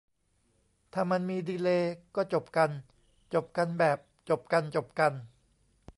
ถ้ามันมีดีเลย์ ก็จบกัน จบกันแบบจบกันจบกัน